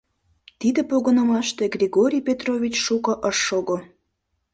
Тиде погынымаште Григорий Петрович шуко ыш шого.